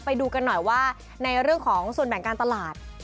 ไปดูกันหน่อยว่าในเรื่องของส่วนแบ่งการตลาด